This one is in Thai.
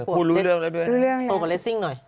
พูดรู้เรื่องแล้วด้วยโตกว่าเลสซิ่งหน่อย